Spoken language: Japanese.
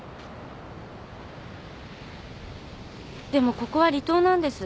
でもここは離島なんです。